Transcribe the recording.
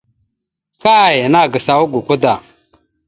Kay nàgas awak gakwa da.